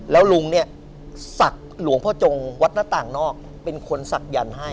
แล้วลุงเนี่ยศักดิ์หลวงพ่อจงวัดหน้าต่างนอกเป็นคนศักยันต์ให้